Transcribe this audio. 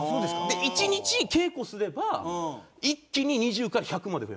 １日稽古すれば一気に２０から１００まで増えるんです。